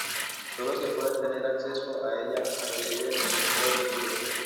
Sólo se puede tener acceso a ella hasta que llegue el momento del retiro.